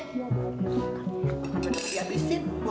kamu udah beri habisin bu